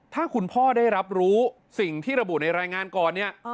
ถ้าคุณพ่อได้รับรู้สิ่งที่ระบุในรายงานก่อนเนี่ย